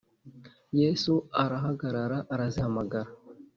Yesu arahagarara arazihamagara